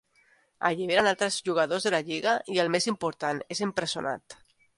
Alliberen altres jugadors de la lliga i el més important és empresonat.